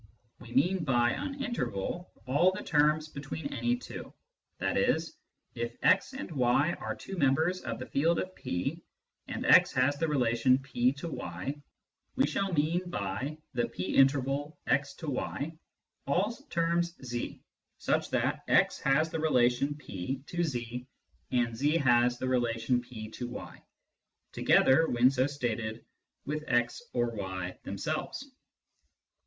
(We mean by an " interval " all the terms between any two ; i.e. if x and y are two members of the field of P, and * has the relation P to y, we shall mean by the " P interval x to y " all terms z such that x has the relation P to x and z has the rela tion P to y — together, when so stated, with * or y themselves.)